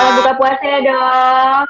selamat buka puasa ya dok